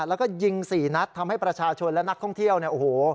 แล้วก็ยิงสี่นัดทำให้ประชาชนและนักท่องเที่ยวเนี่ยโอ้โห